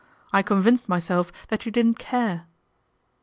I convinced myself that you didn't care."